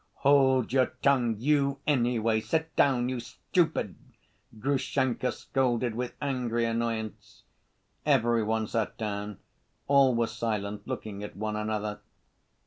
"Hold your tongue, you, anyway! Sit down, you stupid!" Grushenka scolded with angry annoyance. Every one sat down, all were silent, looking at one another.